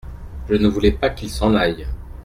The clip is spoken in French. Je ne voulais pas qu’il s’en aille.